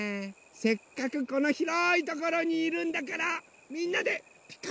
せっかくこのひろいところにいるんだからみんなで「ピカピカブ！」やらない？